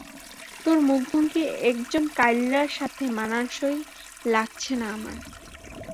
তোর মুখভঙ্গি একজন কাইল্লার সাথে মানানসই লাগছে না আমার।